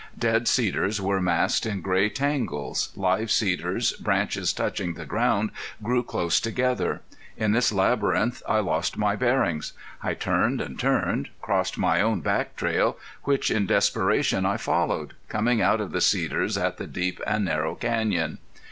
Dead cedars were massed in gray tangles, live cedars, branches touching the ground, grew close together. In this labyrinth I lost my bearings. I turned and turned, crossed my own back trail, which in desperation I followed, coming out of the cedars at the deep and narrow canyon.